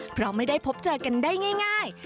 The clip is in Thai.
เพราะไม่ได้พบเจอกันได้ง่าย